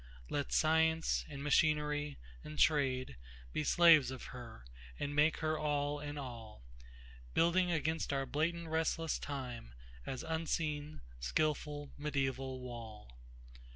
Let Science and Machinery and TradeBe slaves of her, and make her all in all—Building against our blatant restless timeAn unseen, skillful, mediæval wall.